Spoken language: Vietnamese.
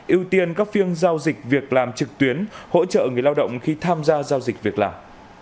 ưu tiên các phiên giao dịch việc làm trực tuyến hỗ trợ người lao động khi tham gia giao dịch việc làm